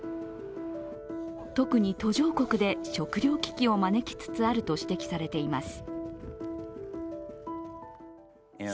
特に途上国で食糧危機を招きつつあると指摘されています。